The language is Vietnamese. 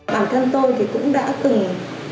bản thân tôi thì cũng đã từng